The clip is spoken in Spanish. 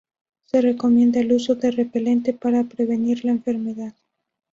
Se recomienda el uso de repelentes para prevenir la enfermedad.